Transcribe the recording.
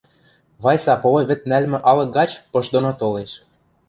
Вайса полой вӹд нӓлмӹ алык гач пыш доно толеш.